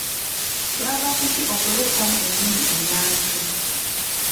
Kyava ku ki okuleetamu ennimi ennansi?